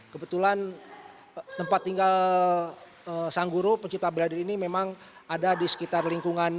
kebetulan tempat tinggal sang guru pencipta bladir ini memang ada di sekitar lingkungan